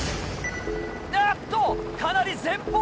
あっとかなり前方！